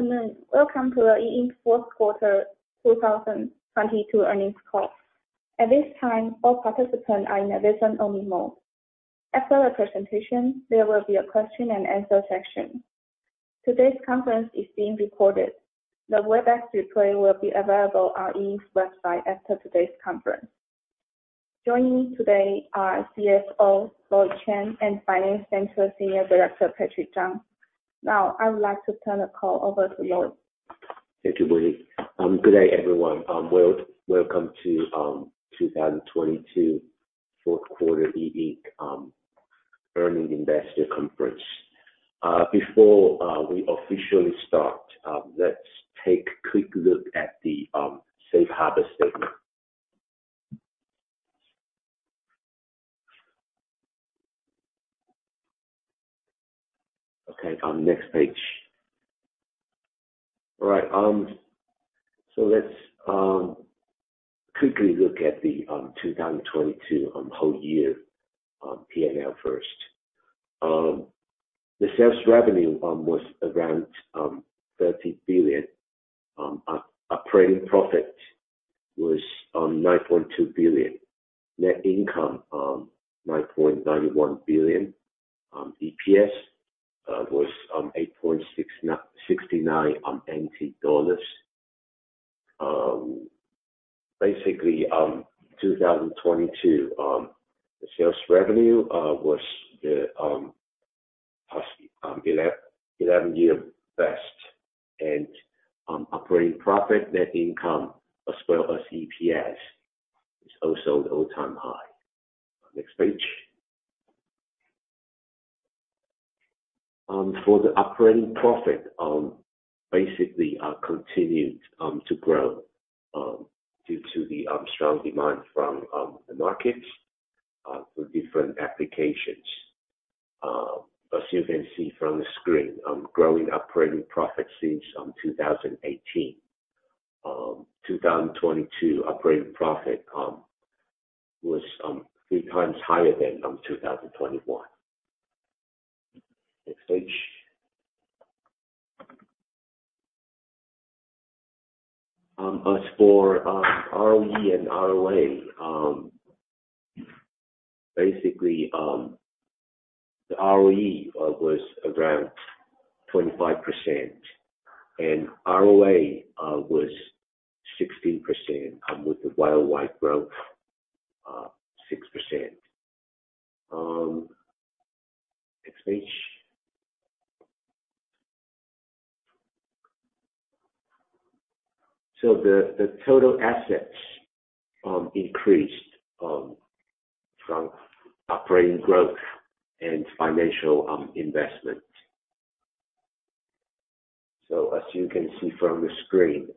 Afternoon. Welcome to the E Ink Q4 2022 earnings call. At this time, all participant are in a listen only mode. After the presentation, there will be a question and answer session. Today's conference is being recorded. The Webex replay will be available on E Ink's website after today's conference. Joining me today are CFO, Lloyd Chen, and Finance Center Senior Director, Patrick Chang. Now I would like to turn the call over to Lloyd. Thank you, Willie. Good day, everyone. Welcome to 2022 Q4 E Ink earning investor conference. Before we officially start, let's take a quick look at the safe harbor statement. Next page. Let's quickly look at the 2022 whole year P&L first. The sales revenue was around 30 billion. Operating profit was 9.2 billion. Net income 9.91 billion. EPS was 8.69 NT dollars. Basically, 2022 the sales revenue was the possibly eleven year best. Operating profit, net income, as well as EPS, is also the all-time high. Next page. For the operating profit, basically, continued to grow due to the strong demand from the markets for different applications. As you can see from the screen, growing operating profit since 2018. 2022 operating profit was 3 times higher than 2021. Next page. As for ROE and ROA, basically, the ROE was around 25%, and ROA was 16% with the year wide growth 6%. Next page. The total assets increased from operating growth and financial investment. As you can see from the screen,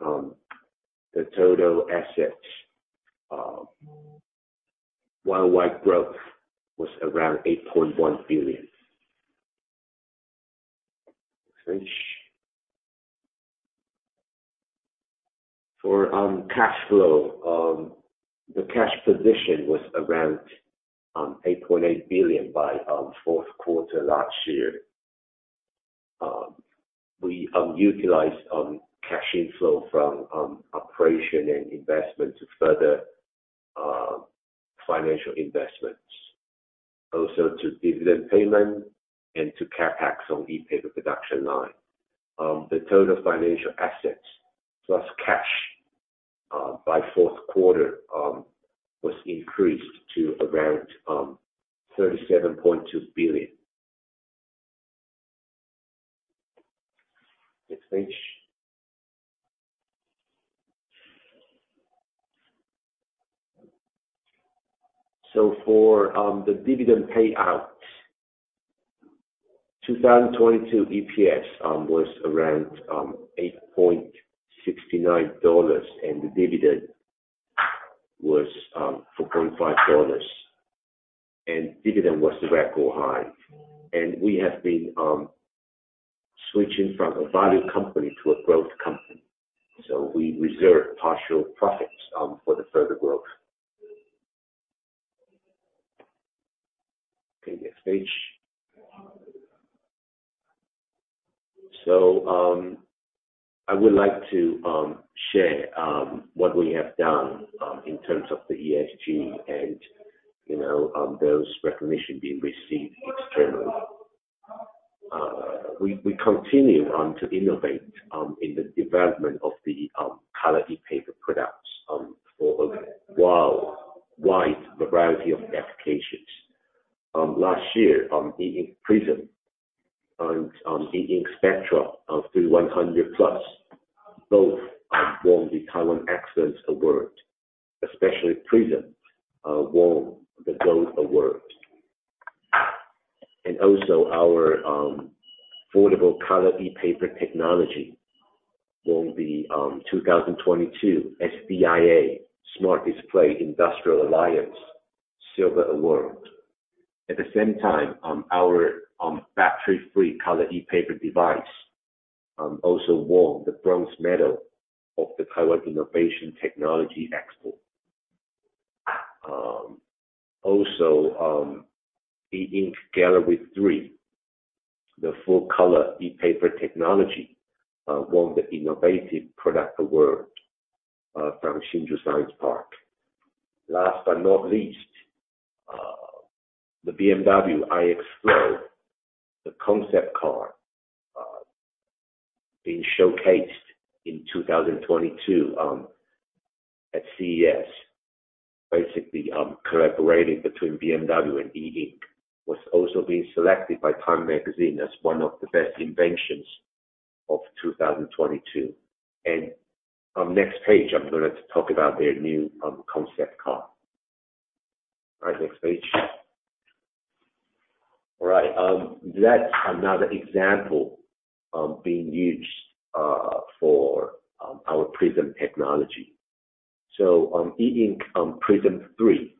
the total assets year wide growth was around TWD 8.1 billion. Next page. For cash flow, the cash position was around 8.8 billion by Q4 last year. We utilized cash flow from operation and investment to further financial investments. Also to dividend payment and to CapEx on ePaper production line. The total financial assets, plus cash, by Q4 was increased to around 37.2 billion. Next page. For the dividend payout, 2022 EPS was around $8.69, and the dividend was $4.5, and dividend was the record high. We have been switching from a value company to a growth company. We reserve partial profits for the further growth. Okay, next page. I would like to share what we have done in terms of the ESG and, you know, those recognition being received externally. We continue to innovate in the development of the color ePaper products for a wide variety of applications. Last year, E Ink Prism and E Ink Spectra 3100 Plus, both won the Taiwan Excellence Award, especially Prism, won the gold award. Also, our affordable color ePaper technology won the 2022 SDIA, Smart Display Industrial Alliance, silver award. At the same time, our battery free color ePaper device also won the bronze medal of the Taiwan Innotech Expo. Also, E Ink Gallery 3, the full-color ePaper technology, won the Innovative Product Award from Hsinchu Science Park. Last but not least, the BMW iX Flow, the concept car, being showcased in 2022 at CES, collaborating between BMW and E Ink, was also being selected by TIME Magazine as one of the best inventions of 2022. On next page, I'm gonna talk about their new concept car. All right, next page. All right. That's another example of being used for our Prism technology. E Ink Prism 3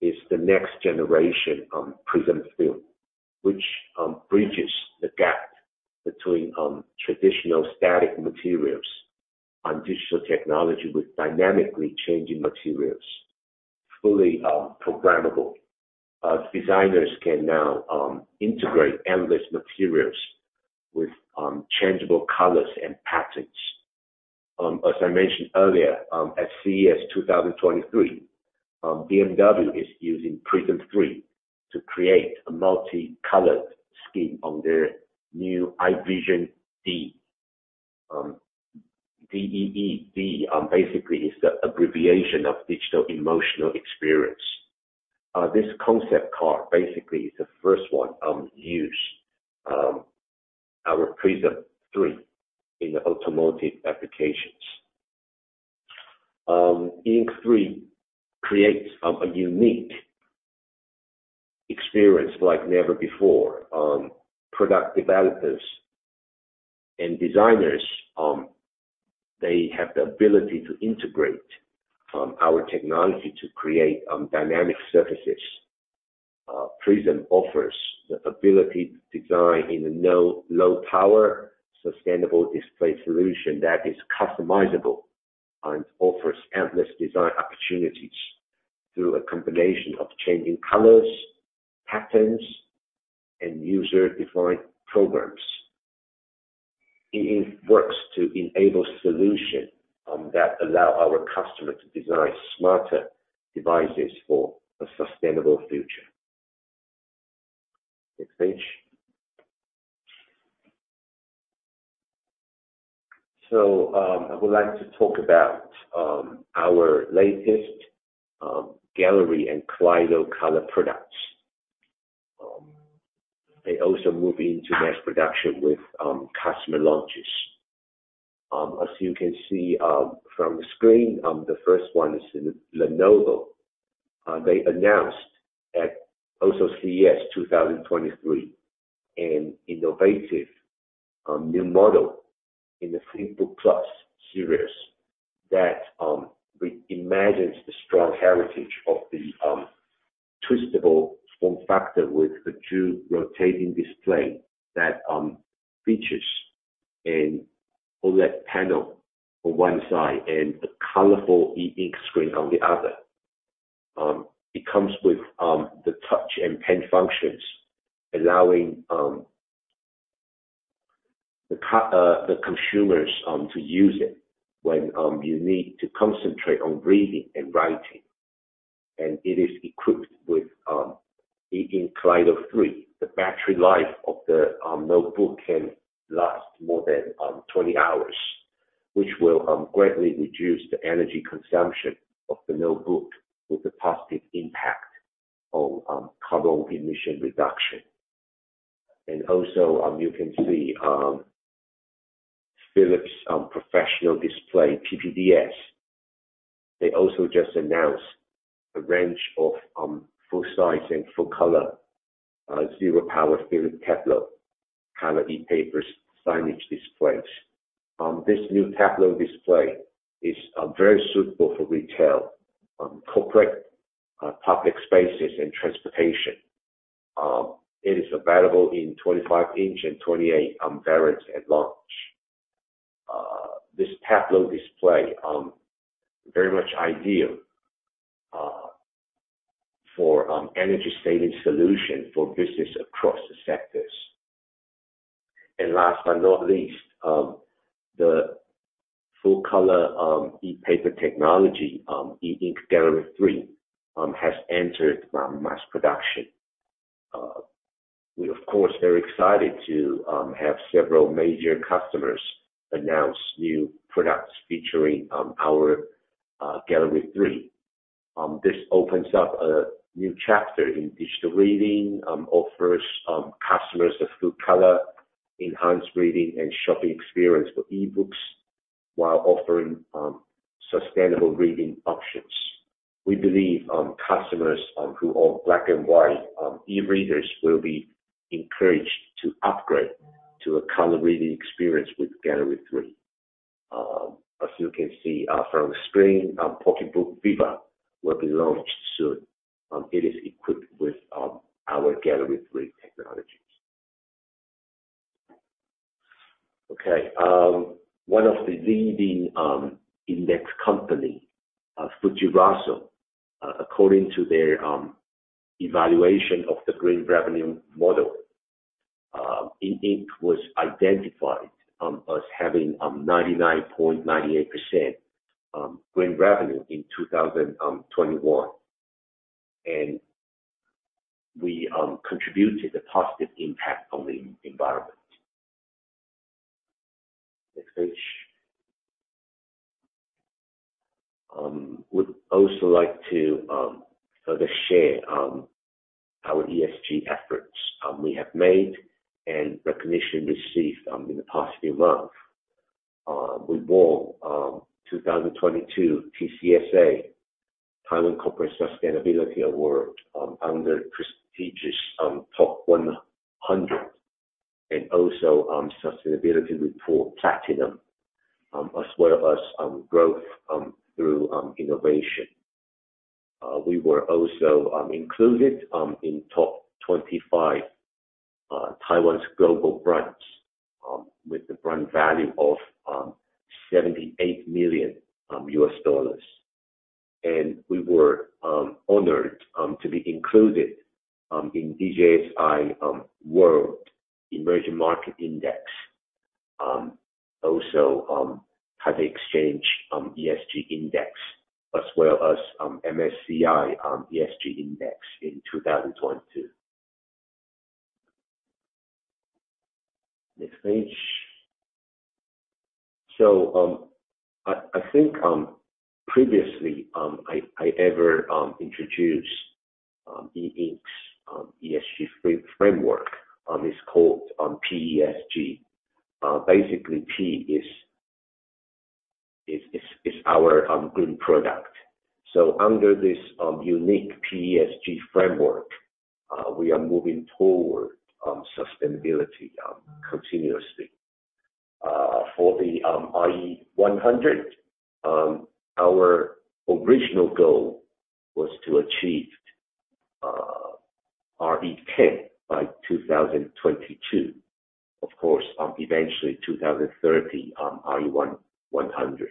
is the next generation Prism film, which bridges the gap between traditional static materials and digital technology with dynamically changing materials. Fully programmable. As designers can now integrate endless materials with changeable colors and patterns. As I mentioned earlier, at CES 2023, BMW is using Prism 3 to create a multi-colored scheme on their new iVision DEE. D-E-E, DEE, basically is the abbreviation of Digital Emotional Experience. This concept car basically is the first one, use our Prism 3 in the automotive applications. E Ink 3 creates a unique experience like never before. Product developers and designers, they have the ability to integrate our technology to create dynamic surfaces. Prism offers the ability to design in a no-low power, sustainable display solution that is customizable and offers endless design opportunities through a combination of changing colors, patterns, and user-defined programs. E Ink works to enable solution that allow our customer to design smarter devices for a sustainable future. Next page. I would like to talk about our latest Gallery and Kaleido color products. They also move into mass production with customer launches. As you can see from the screen, the first one is Lenovo. They announced at also CES 2023, an innovative new model in the ThinkBook Plus series that re-imagines the strong heritage of the twistable form factor with the two rotating display that features an OLED panel on one side and a colorful E Ink screen on the other. It comes with the touch and pen functions, allowing the consumers to use it when you need to concentrate on reading and writing. It is equipped with E Ink Kaleido 3. The battery life of the notebook can last more than 20 hours, which will greatly reduce the energy consumption of the notebook with a positive impact on carbon emission reduction. You can see Philips professional display, PPDS, they also just announced a range of full-size and full-color zero power Philips Tableaux color ePaper signage displays. This new Tableaux display is very suitable for retail, corporate, public spaces and transportation. It is available in 25 inch and 28 variants at launch. This Tableaux display very much ideal for energy-saving solution for business across the sectors. The full color ePaper technology, E Ink Gallery 3, has entered mass production. We of course, very excited to have several major customers announce new products featuring our Gallery 3. This opens up a new chapter in digital reading, offers customers a full color, enhanced reading and shopping experience for e-books while offering sustainable reading options. We believe customers who own black and white eReaders will be encouraged to upgrade to a color reading experience with Gallery 3. As you can see from the screen, PocketBook Viva will be launched soon. It is equipped with our Gallery 3 technologies. One of the leading index company FTSE Russell, according to their evaluation of the green revenue model, E Ink was identified as having 99.98% green revenue in 2021. We contributed a positive impact on the environment. Next page. Would also like to further share our ESG efforts we have made and recognition received in the past year month. We won 2022 TCSA, Taiwan Corporate Sustainability Awards, under prestigious top 100 and also sustainability report platinum, as well as growth through innovation. We were also included in top 25 Taiwan's global brands with the brand value of $78 million. We were honored to be included in DJSI World Emerging Market Index. Also, Taipei Exchange ESG Index, as well as MSCI ESG Index in 2022. Next page. I think, previously, I ever introduced E Ink's ESG framework, is called PESG. Basically P is our green product. Under this unique PESG framework, we are moving toward sustainability continuously. For the RE100, our original goal was to achieve RE10 by 2022. Of course, eventually 2030, RE100.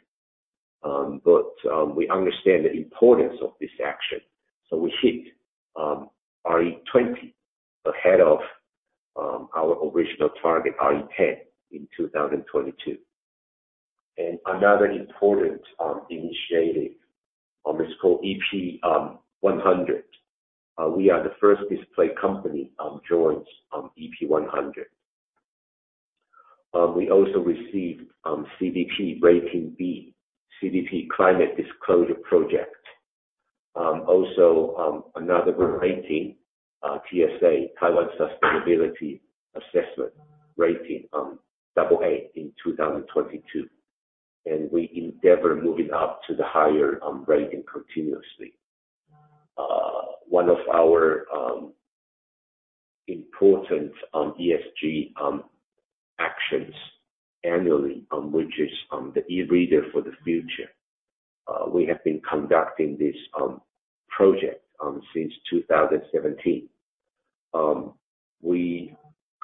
We understand the importance of this action, so we hit RE20 ahead of our original target RE10 in 2022. Another important initiative is called EP100. We are the first display company joins EP100. We also received CDP rating B, CDP Carbon Disclosure Project. Also, another good rating, TSA, Taiwan Sustainability Assessment rating, double A in 2022, and we endeavor moving up to the higher rating continuously. One of our important ESG actions annually, which is the EReader for the Future. We have been conducting this project since 2017. We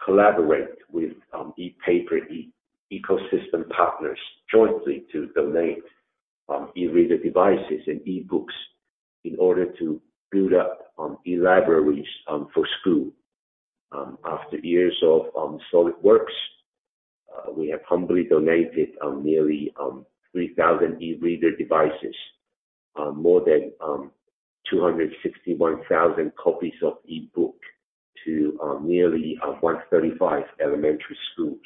collaborate with EPaper ecosystem partners jointly to donate EReader devices and eBooks in order to build up ELibraries for school. After years of solid works, we have humbly donated nearly 3,000 EReader devices, more than 261,000 copies of eBook to nearly 135 elementary schools.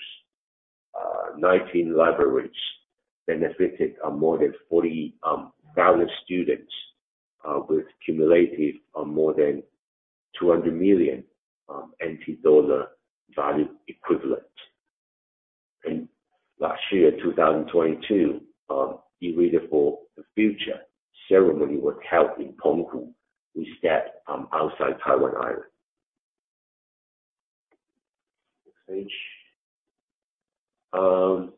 19 libraries benefited, more than 40,000 students, with cumulative more than 200 million NT dollar value equivalent. Last year, 2022, ERead for the Future ceremony was held in Hong Kong. We stepped outside Taiwan Island. Next page.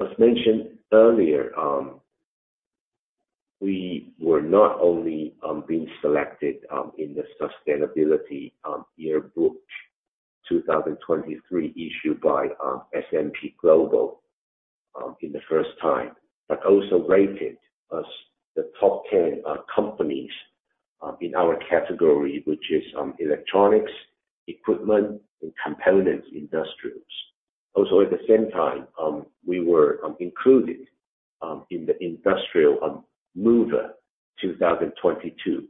As mentioned earlier, we were not only being selected in the Sustainability Yearbook 2023 issued by S&P Global in the first time, but also rated as the top 10 companies in our category, which is electronics, equipment, and components industrials. At the same time, we were included in the Industry Mover 2022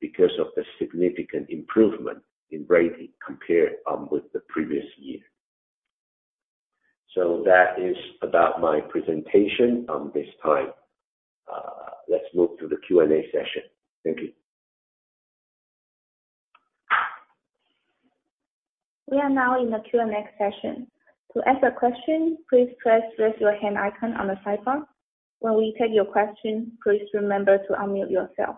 because of the significant improvement in rating compared with the previous year. That is about my presentation this time. Let's move to the Q&A session. Thank you. We are now in the Q&A session. To ask a question, please press raise your hand icon on the sidebar. When we take your question, please remember to unmute yourself.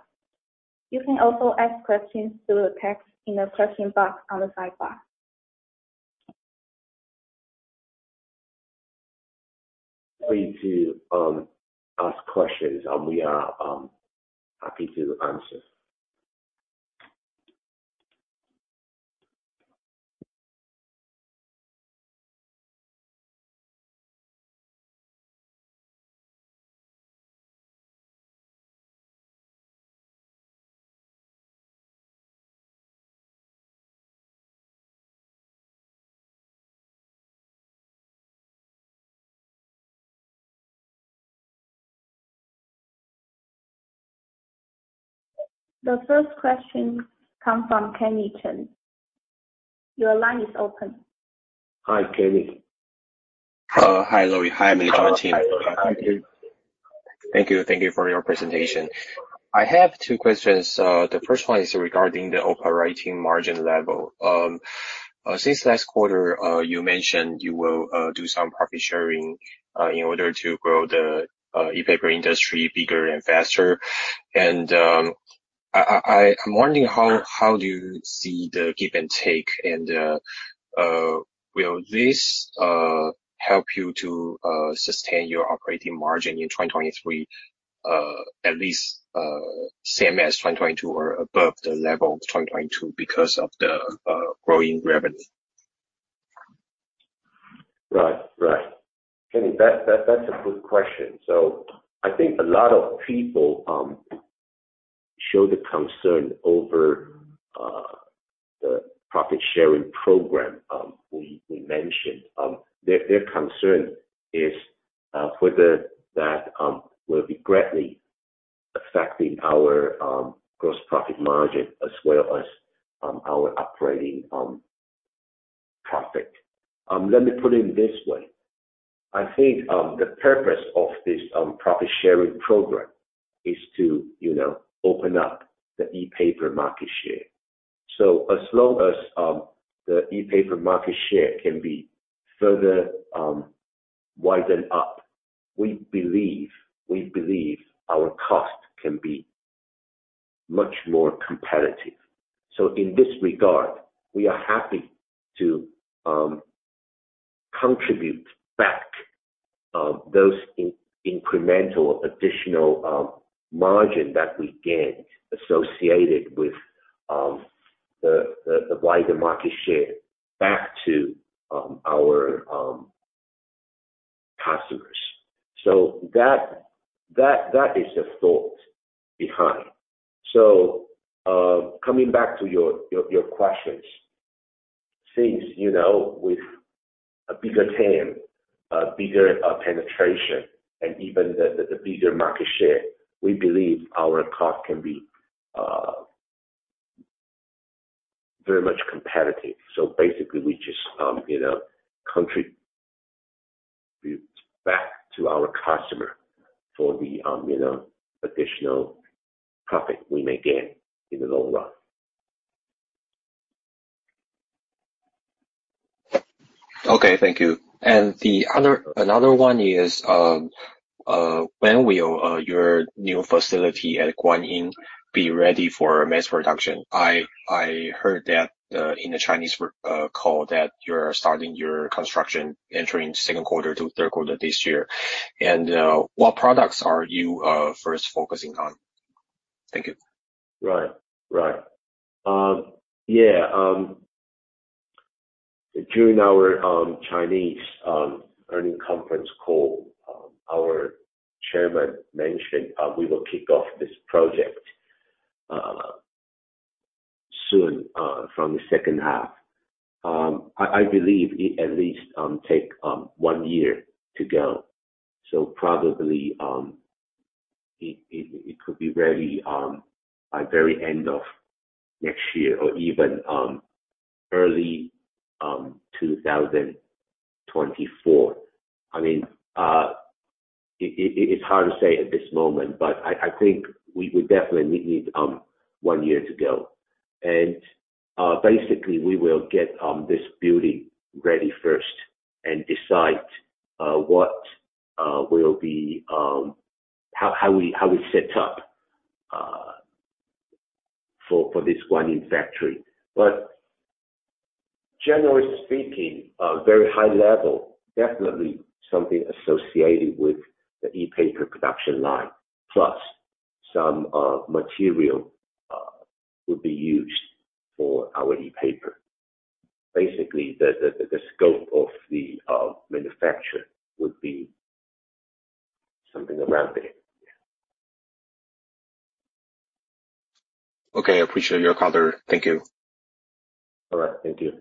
You can also ask questions through the text in the question box on the sidebar. Free to ask questions, and we are happy to answer. The first question come from Kenny Chen. Your line is open. Hi, Kenny. Hi, Lloyd. Hi, management team. Thank you for your presentation. I have two questions. The first one is regarding the operating margin level. Since last quarter, you mentioned you will do some profit sharing in order to grow the ePaper industry bigger and faster. I'm wondering how do you see the give and take, will this help you to sustain your operating margin in 2023, at least same as 2022 or above the level of 2022 because of the growing revenue? Right. Right. Kenny, that's a good question. I think a lot of people show the concern over the profit sharing program we mentioned. Their concern is whether that will be greatly affecting our gross profit margin as well as our operating profit. Let me put it this way. I think the purpose of this profit sharing program is to, you know, open up the ePaper market share. As long as the EPaper market share can be further widened up, we believe our cost can be much more competitive. In this regard, we are happy to contribute back those incremental additional margin that we gain associated with the wider market share back to our customers. That, that is the thought behind. Coming back to your, your questions. Since, you know, with a bigger TAM, a bigger penetration and even the bigger market share, we believe our cost can be very much competitive. Basically, we just, you know, contribute back to our customer for the, you know, additional profit we may gain in the long run. Okay, thank you. Another one is, when will your new facility at Guanyin be ready for mass production? I heard that in the Chinese call that you're starting your construction entering Q2 to Q3 this year. What products are you first focusing on? Thank you. Right. Right. Yeah. During our Chinese earnings conference call, our chairman mentioned we will kick off this project soon from the H2. I believe it at least take one year to go. Probably it could be ready by very end of next year or even early 2024. I mean, it's hard to say at this moment, but I think we definitely need one year to go. Basically, we will get this building ready first and decide what will be how we set up for this Guanyin factory. Generally speaking, very high level, definitely something associated with the EPaper production line, plus some material would be used for our ePaper. Basically, the scope of the manufacture would be something around it. Yeah. Okay. I appreciate your color. Thank you. All right. Thank you.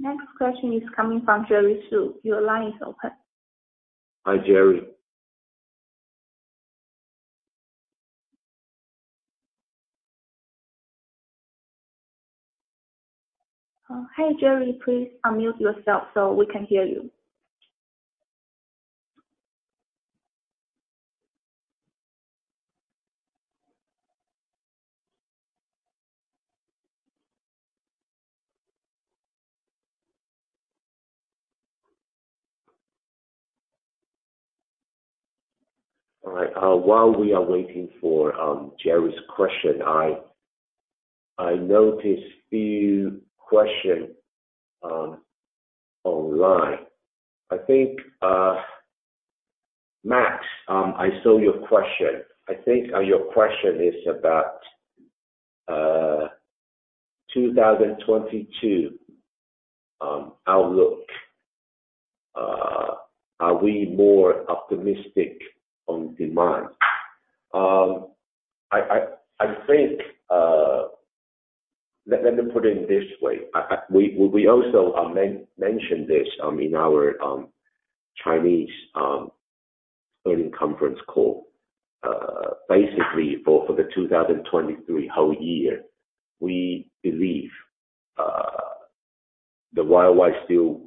Next question is coming from Jerry Su. Your line is open. Hi, Jerry. Hi, Jerry. Please unmute yourself so we can hear you. All right. While we are waiting for Jerry's question, I noticed few question online. I think Max, I saw your question. I think your question is about 2022 outlook. Are we more optimistic on demand? I think, let me put it this way. We also mention this in our Chinese earnings conference call. For the 2023 whole year, we believe the YOY still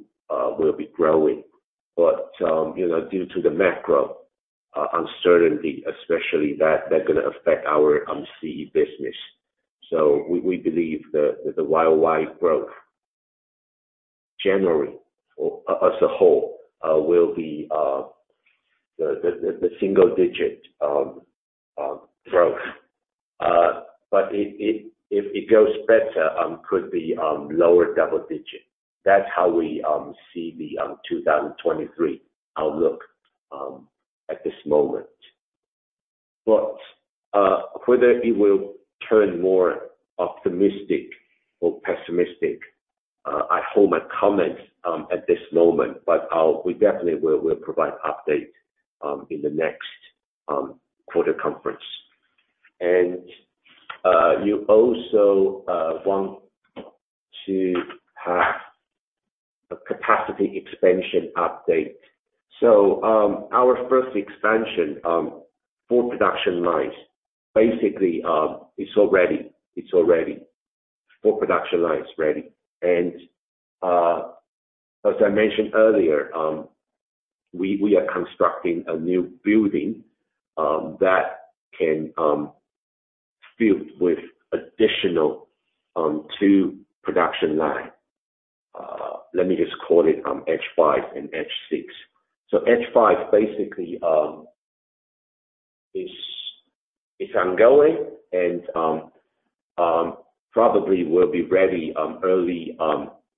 will be growing. You know, due to the macro uncertainty especially, that they're gonna affect our CE business. We believe the YOY growth generally or as a whole will be the single-digit growth. if it goes better, could be lower double digit. That's how we see the 2023 outlook at this moment. Whether it will turn more optimistic or pessimistic, I hold my comments at this moment. We definitely will provide update in the next quarter conference. You also want to have a capacity expansion update. Our first expansion for production lines, basically, is ready. It's ready. 4 production lines ready. As I mentioned earlier, we are constructing a new building that can fill with additional 2 production line. Let me just call it H5 and H6. H5 basically is ongoing and probably will be ready early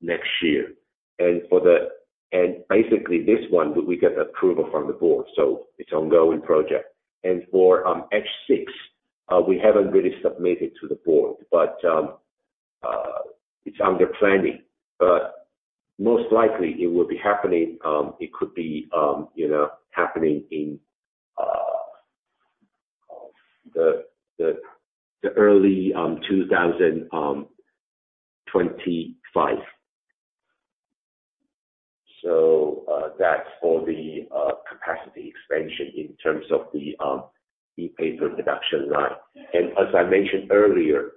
next year. Basically this one, we get approval from the board, so it's ongoing project. For H6, we haven't really submitted to the board, but it's under planning. Most likely it will be happening, it could be, you know, happening in the early 2025. That's for the capacity expansion in terms of the EPaper production line. As I mentioned earlier,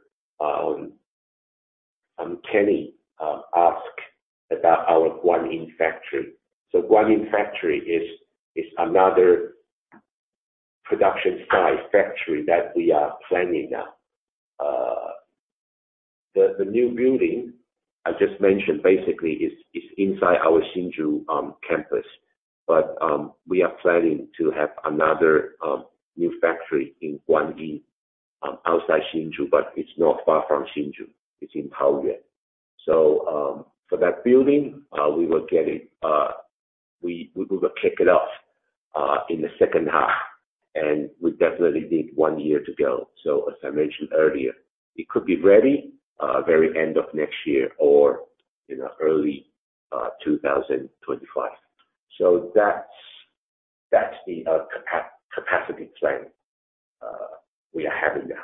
Kenny asked about our Guanyin factory. Guilin factory is another production-size factory that we are planning now. The new building I just mentioned basically is inside our Hsinchu campus. We are planning to have another new factory in Guilin, outside Hsinchu, but it's not far from Hsinchu, it's in Taoyuan. For that building, we will get it, we will kick it off in the H2. We definitely need one year to go. As I mentioned earlier, it could be ready very end of next year or, you know, early 2025. That's the capacity plan we are having now.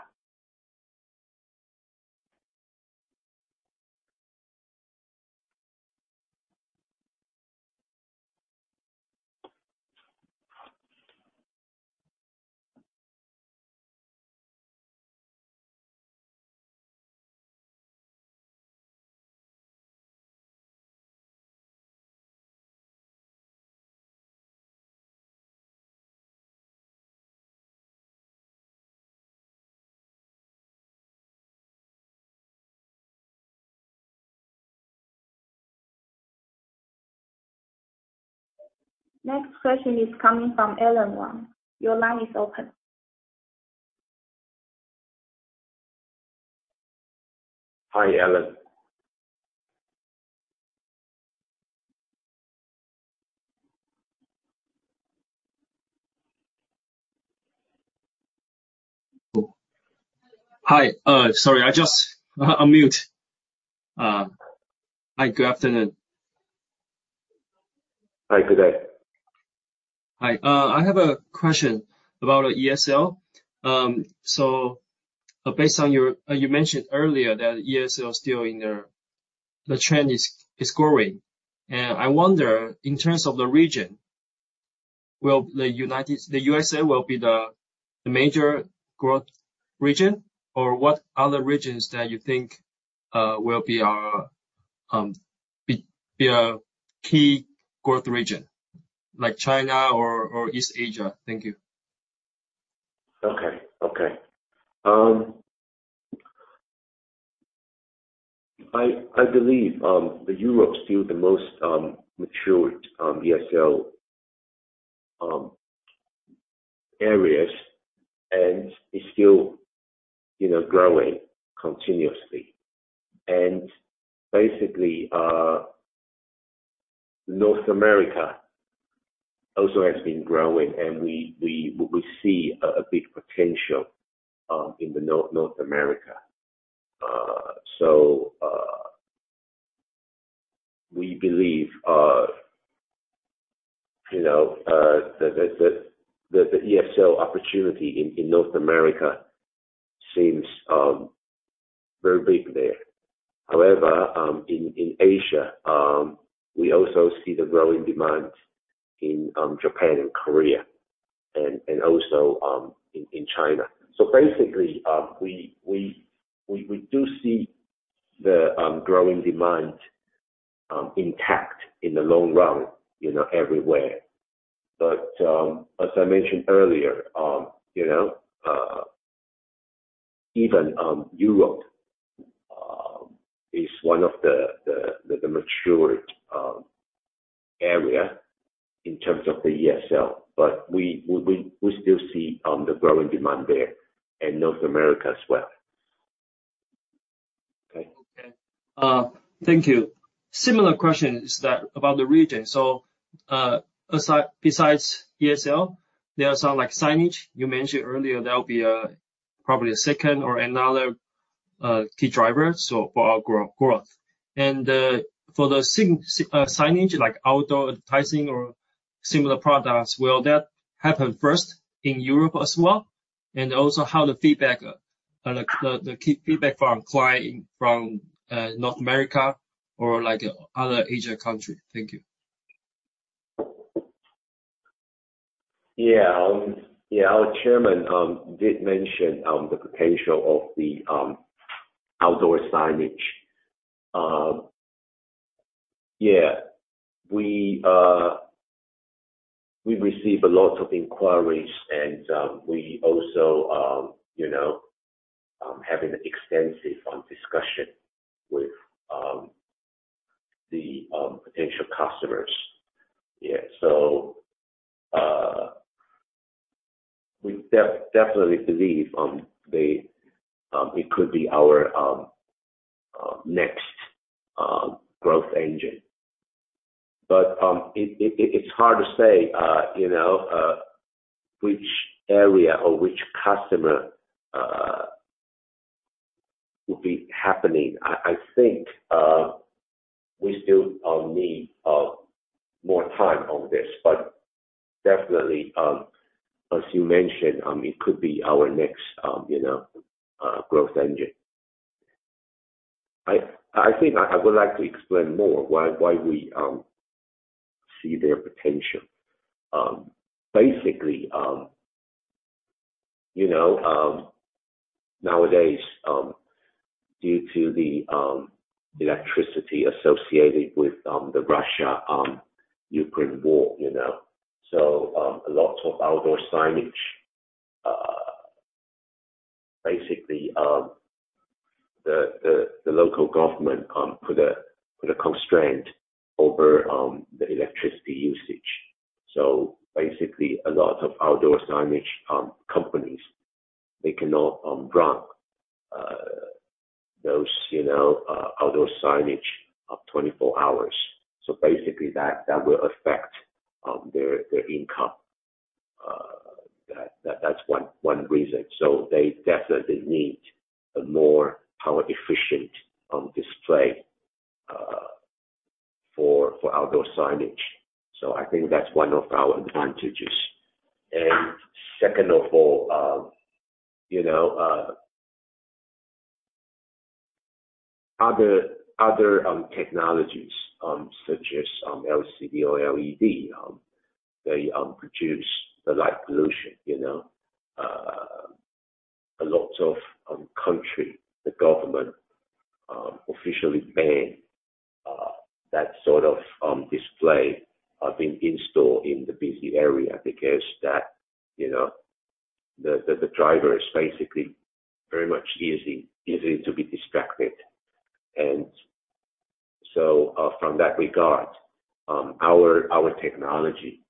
Next question is coming from Allen Wang. Your line is open. Hi, Allen. Hi. Sorry, I just unmute. Hi, good afternoon. Hi, good day. Hi. I have a question about ESL. Based on your, you mentioned earlier that ESL is still the trend is growing. I wonder, in terms of the region, will the USA will be the major growth region or what other regions that you think will be a key growth region like China or East Asia? Thank you. Okay. Okay. I believe, the Europe is still the most mature ESL areas and is still, you know, growing continuously. Basically, North America also has been growing and we see a big potential in North America. We believe, you know, that the ESL opportunity in North America seems very big there. However, in Asia, we also see the growing demand in Japan and Korea and also in China. Basically, we do see the growing demand intact in the long run, you know, everywhere. As I mentioned earlier, you know, even Europe is one of the matured area in terms of the ESL, but we still see the growing demand there in North America as well. Okay. Okay. Thank you. Similar question is about the region. besides ESL, there are some like signage. You mentioned earlier there will be a, probably a second or another key driver for our growth. for the signage, like outdoor advertising or similar products, will that happen first in Europe as well? Also how the feedback, the key feedback from client from North America or like other Asia country? Thank you. Yeah. Our chairman did mention the potential of the outdoor signage. Yeah. We've received a lot of inquiries and we also, you know, having extensive discussion with the potential customers. Yeah. We definitely believe the it could be our next growth engine. It's hard to say, you know, which area or which customer would be happening. I think we still need more time on this, but definitely, as you mentioned, it could be our next, you know, growth engine. I think I would like to explain more why we see their potential. Basically, you know, nowadays, due to the electricity associated with the Russia, Ukraine war, you know. A lot of outdoor signage, basically, the local government put a constraint over the electricity usage. Basically a lot of outdoor signage companies, they cannot run those, you know, outdoor signage of 24 hours. Basically that will affect their income. That's one reason. They definitely need a more power efficient display for outdoor signage. I think that's one of our advantages. Second of all, you know, other technologies, such as LCD or LED, they produce the light pollution, you know. A lot of country, the government, officially ban that sort of display being installed in the busy area because that, you know, the driver is basically very much easy to be distracted. From that regard, our technology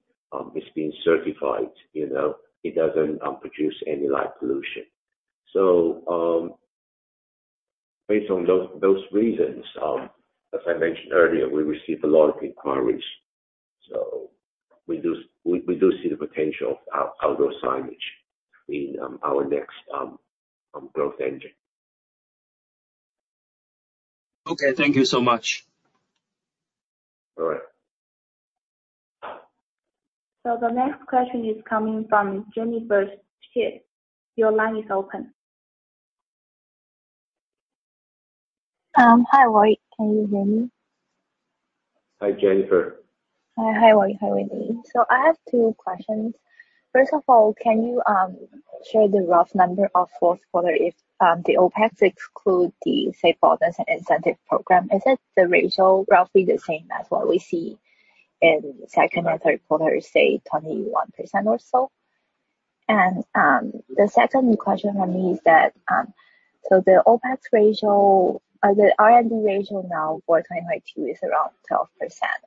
is being certified, you know, it doesn't produce any light pollution. Based on those reasons, as I mentioned earlier, we received a lot of inquiries. We do see the potential of outdoor signage being our next growth engine. Okay. Thank you so much. All right. The next question is coming from Jennifer Chien. Your line is open. Hi. Can you hear me? Hi, Jennifer. Hi. Hi. Can you hear me? I have two questions. First of all, can you share the rough number of Q4 if the OpEx exclude the, say, bonus and incentive program? Is it the ratio roughly the same as what we see in second and Q3, say 21% or so? The second question from me is that the OpEx ratio or the R&D ratio now for 2022 is around 12%,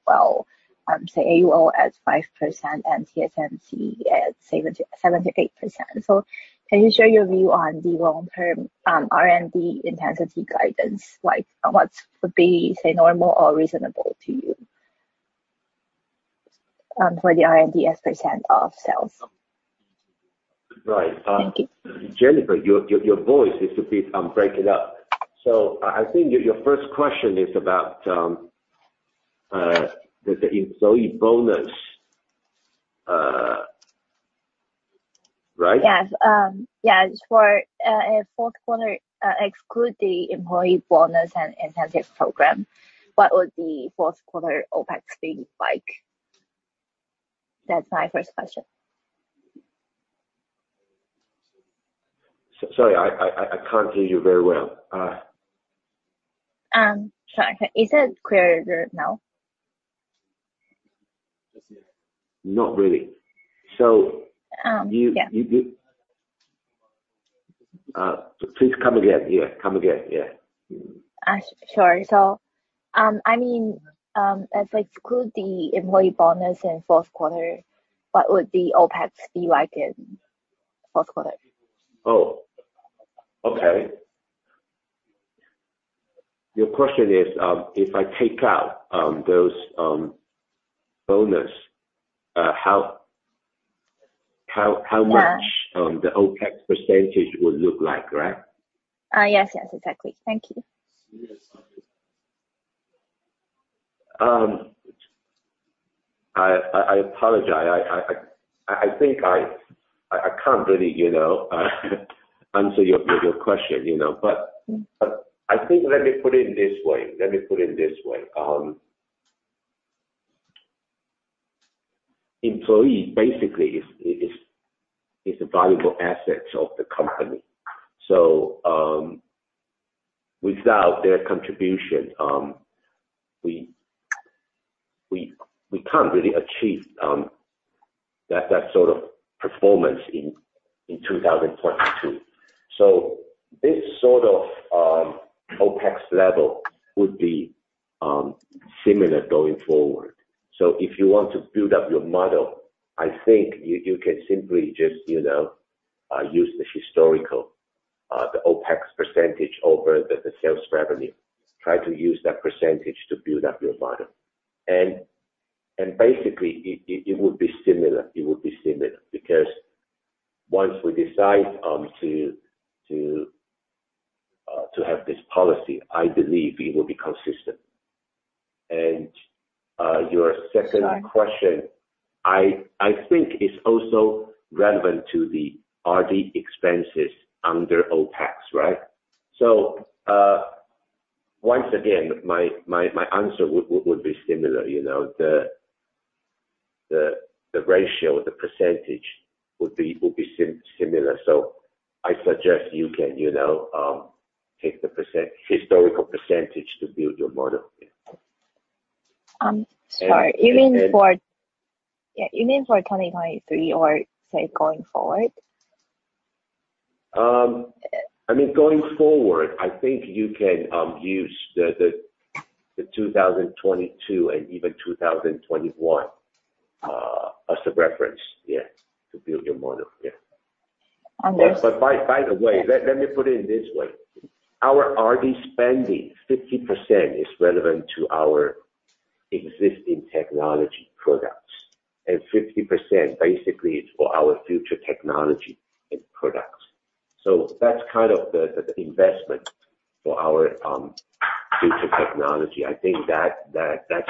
while, say, AUO as 5% and TSMC at 78%. Can you share your view on the long term R&D intensity guidance, like what would be, say, normal or reasonable to you for the R&D as percent of sales? Right. Thank you. Jennifer, your voice is a bit breaking up. I think your first question is about the employee bonus, right? Just for Q4 exclude the employee bonus and incentive program, what would the Q4 OpEx be like? That's my first question. Sorry, I can't hear you very well. Sorry. Is it clearer now? Not really. Yeah. You please come again. Yeah, come again. Yeah. Sure. I mean, as exclude the employee bonus in Q4, what would the OpEx be like in Q4? Okay. Your question is, if I take out those bonus, how Yeah. how much, the OpEx % would look like, correct? Yes, yes, exactly. Thank you. I apologize. I think I can't really, you know, answer your question, you know. I think let me put it this way. Employee basically is a valuable asset of the company. Without their contribution, we can't really achieve that sort of performance in 2022. This sort of OpEx level would be similar going forward. If you want to build up your model, I think you can simply just, you know, use the historical OpEx percentage over the sales revenue, try to use that percentage to build up your model. Basically, it would be similar. Because once we decide to have this policy, I believe it will be consistent. Your second question, I think is also relevant to the RD expenses under OpEx, right? Once again, my answer would be similar, you know. The ratio, the percentage would be similar. I suggest you can, you know, take the historical percentage to build your model. Yeah. Sorry. Yeah, you mean for 2023 or, say, going forward? I mean, going forward, I think you can use the 2022 and even 2021 as a reference, yeah, to build your model. Yeah. Understood. By the way, let me put it this way. Our RD spending, 50% is relevant to our existing technology products, and 50% basically is for our future technology and products. That's kind of the investment for our future technology. I think that's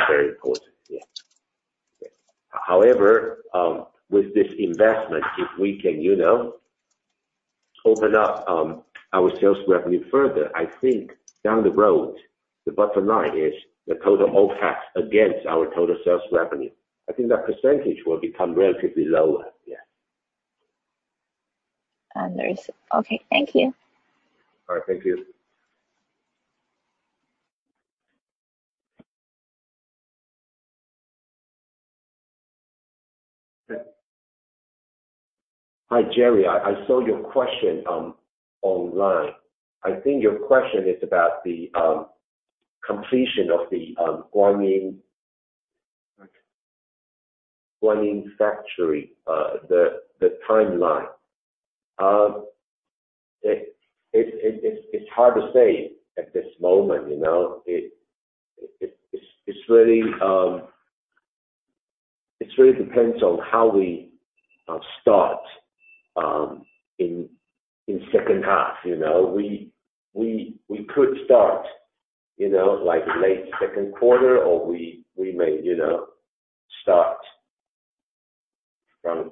very important. Yeah. With this investment, if we can, you know, open up our sales revenue further, I think down the road, the bottom line is the total OpEx against our total sales revenue, I think that percentage will become relatively lower. Yeah. Understood. Okay, thank you. All right, thank you. Hi, Jerry. I saw your question online. I think your question is about the completion of the Guanyin factory, the timeline. It's hard to say at this moment, you know. It's really, it really depends on how we start in H2, you know. We could start, you know, like late Q2 or we may, you know, start from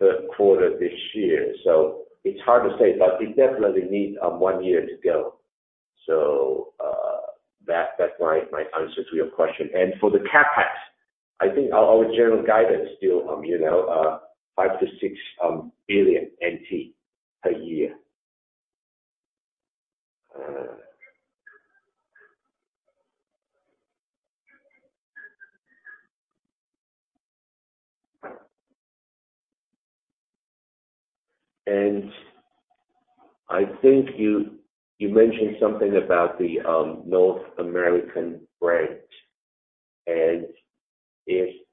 Q3 this year. It's hard to say, but we definitely need one year to go. That's my answer to your question. For the CapEx, I think our general guidance still, you know, 5-6 billion NT per year. I think you mentioned something about the North American branch. Is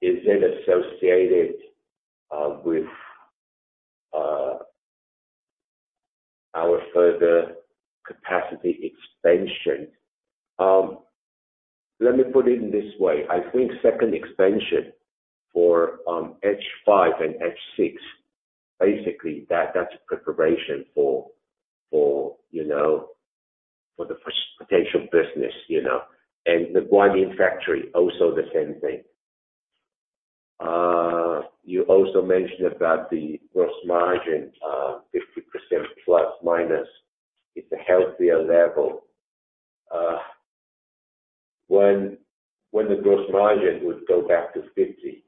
it associated with our further capacity expansion? Let me put it in this way. I think second expansion for H5 and H6, basically that's preparation for, you know, for the first potential business, you know. The Guanyin factory, also the same thing. You also mentioned about the gross margin, 50% plus minus, it's a healthier level. When the gross margin would go back to 50?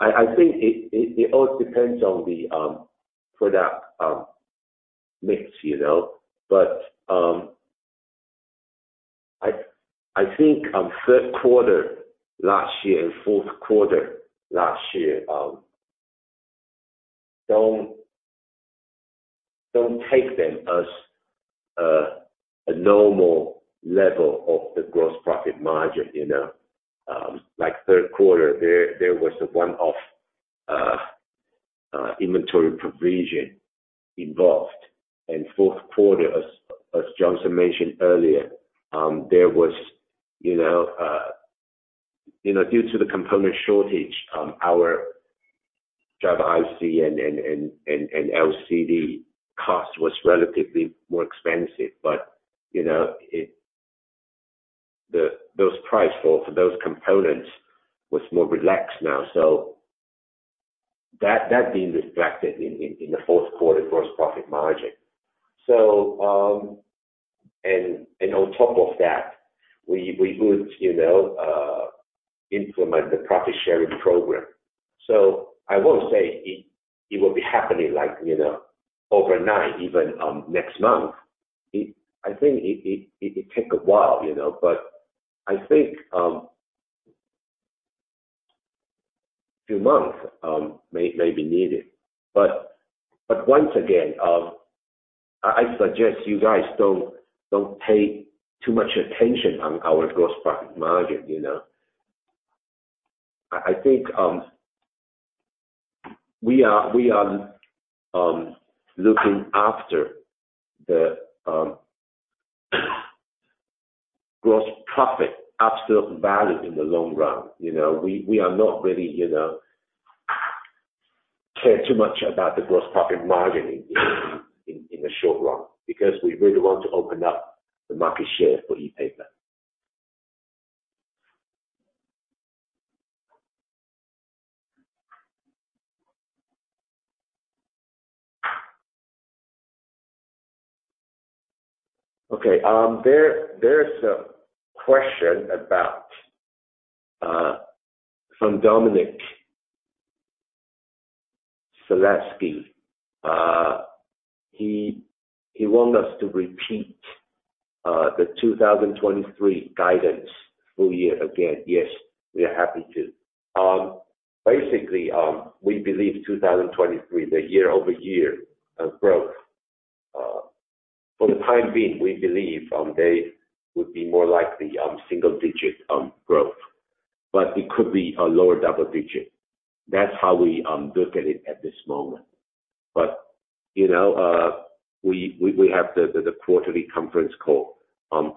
I think it all depends on the product mix, you know. I think Q3 last year and Q4 last year, don't take them as a normal level of the gross profit margin, you know. Like Q3, there was a one-off inventory provision involved. Q4, as Johnson mentioned earlier, there was, you know, due to the component shortage, our driver IC and LCD cost was relatively more expensive. You know, those price for those components was more relaxed now. That being reflected in the Q4 gross profit margin. On top of that, we would, you know, implement the profit-sharing program. I won't say it will be happening like, you know, overnight, even next month. I think it could take a while, you know. I think few months may be needed. Once again, I suggest you guys don't pay too much attention on our gross profit margin, you know. I think we are looking after the gross profit absolute value in the long run, you know. We are not really, you know, care too much about the gross profit margin in the short run, because we really want to open up the market share for ePaper. Okay. There's a question about from Dominic Salesky. He want us to repeat the 2023 guidance full year again. Yes, we are happy to. Basically, we believe 2023, the year-over-year growth, for the time being, we believe, they would be more like the single digit growth. It could be a lower double digit. That's how we look at it at this moment. You know, we have the quarterly conference call.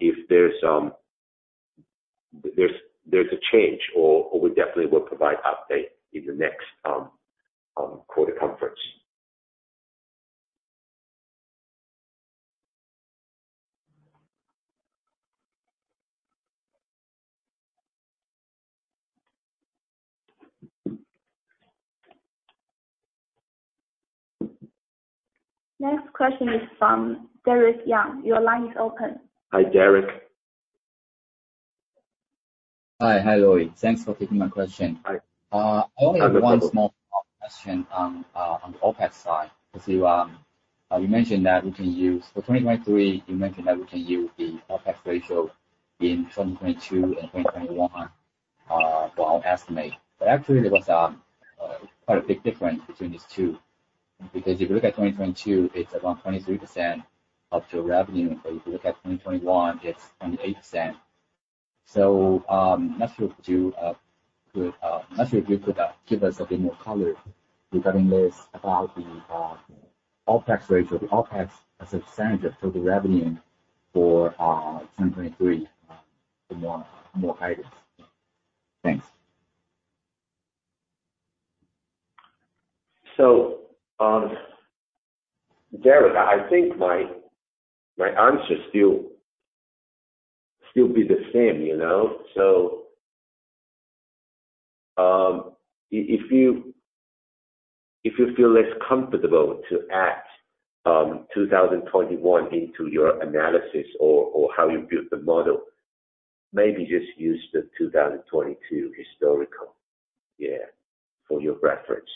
If there's a change or we definitely will provide update in the next quarter conference. Next question is from Derek Young. Your line is open. Hi, Derek. Hi. Hi, Lloyd. Thanks for taking my question. Hi. Only one small question on OpEx side. For 2023, you mentioned that we can use the OpEx ratio in 2022 and 2021 for our estimate. Actually there was quite a big difference between these two. If you look at 2022, it's around 23% of the revenue. If you look at 2021, it's 28%. Not sure if you could give us a bit more color regarding this, about the OpEx ratio, the OpEx as a percentage of total revenue for 2023, the more guidance. Thanks. Derek, I think my answer still be the same, you know. If you feel less comfortable to add 2021 into your analysis or how you build the model, maybe just use the 2022 historical for your reference.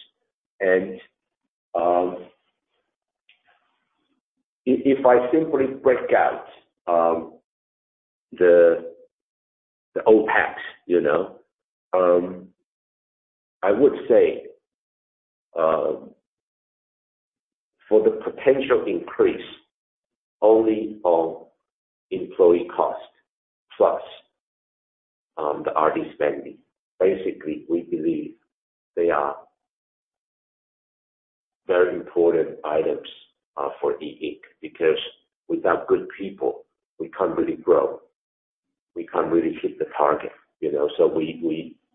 If I simply break out the OpEx, you know, I would say for the potential increase only on employee cost plus the R&D spending, basically we believe they are very important items for E Ink. Because without good people, we can't really grow, we can't really hit the target, you know.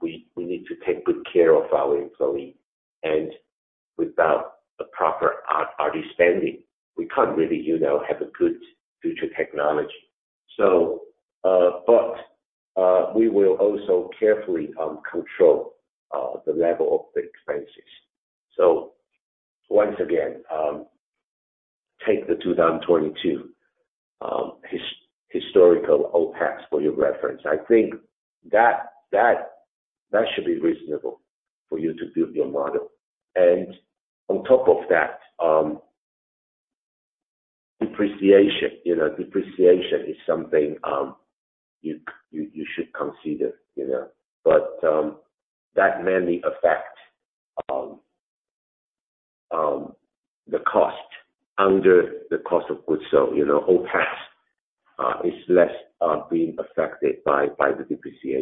We need to take good care of our employee. Without a proper R&D spending, we can't really, you know, have a good future technology. We will also carefully control the level of the expenses. Once again, take the 2022 historical OpEx for your reference. I think that should be reasonable for you to build your model. On top of that, depreciation. You know, depreciation is something, you should consider, you know. That mainly affect the cost under the cost of goods sold. You know, OpEx is less being affected by the depreciation.